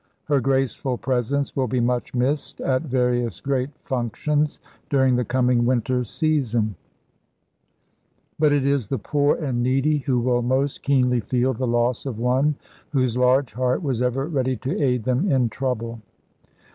Her graceful presence will be much missed at various great functions during the coming winter season; but it is the poor and needy who will most keenly feel the loss of one whose large heart was ever ready to aid them in trouble.